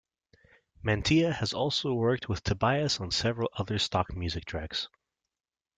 Mantia has also worked with Tobias on several other stock music tracks.